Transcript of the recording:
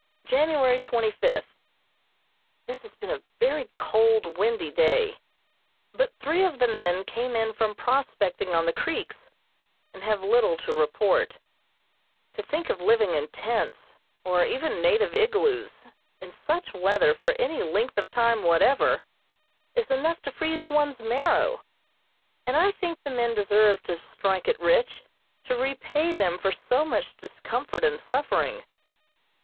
January twenty fifth: This has been a very cold, windy day, but three of the men came in from prospecting on the creeks, and have little to report. To think of living in tents, or even native igloos, in such weather for any length of time whatever, is enough to freeze one's marrow, and I think the men deserve to "strike it rich" to repay them for so much discomfort and suffering.